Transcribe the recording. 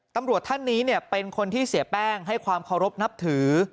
ตำรวจท่านนี้เป็นคนที่เสียแป้งให้ความเคารพนับถือ